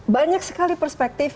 banyak sekali perspektif